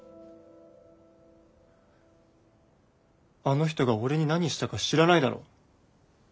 あの人が俺に何したか知らないだろ。